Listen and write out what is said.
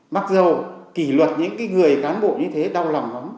mặc dù kỷ luật những người cán bộ như thế đau lòng lắm